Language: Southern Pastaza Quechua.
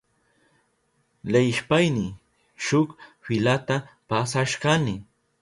Leyishpayni shuk filata pasashkani.